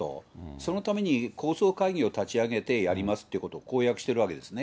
そのために構想会議を立ち上げてやりますっていうことを公約しているわけですね。